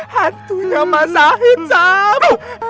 hantunya mas zahid sam